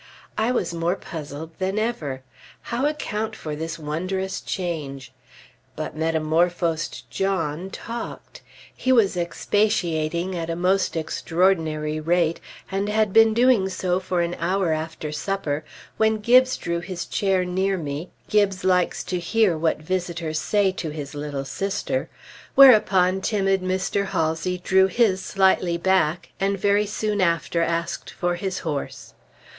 I was more puzzled than ever. How account for this wondrous change?... But metamorphosed "John" talked! He was expatiating at a most extraordinary rate, and had been doing so for an hour after supper, when Gibbes drew his chair near me (Gibbes likes to hear what visitors say to his little sister); whereupon timid Mr. Halsey drew his slightly back, and very soon after asked for his horse.